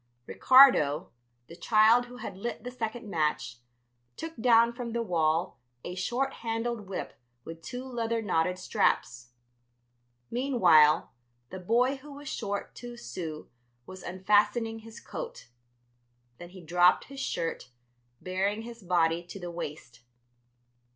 Ricardo, the child who had lit the second match, took down from the wall a short handled whip with two leather knotted straps. Meanwhile, the boy who was short two sous was unfastening his coat. Then he dropped his shirt, baring his body to the waist.